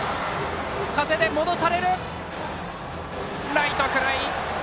ライトフライ。